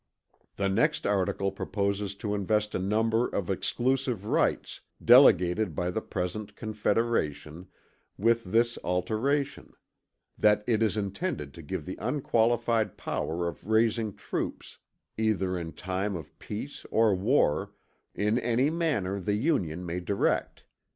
"The next article proposes to invest a number of exclusive rights, delegated by the present confederation, with this alteration: that it is intended to give the unqualified power of raising troops, either in time of peace or war, in any manner the Union may direct.